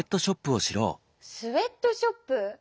「スウェットショップ」？